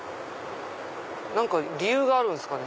何か理由があるんですかね？